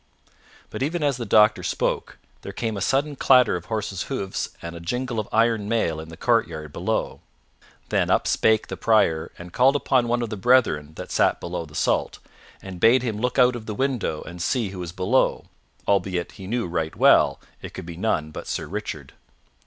But even as the doctor spoke, there came a sudden clatter of horses' hoofs and a jingle of iron mail in the courtyard below. Then up spake the Prior and called upon one of the brethren that sat below the salt, and bade him look out of the window and see who was below, albeit he knew right well it could be none but Sir Richard.